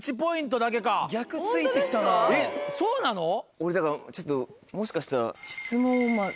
俺だからちょっともしかしたら。